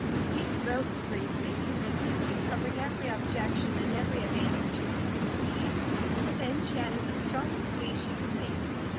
Kate wrote briefly, convincingly, covering every objection and every advantage she could conceive, and then she added the strongest plea she could make.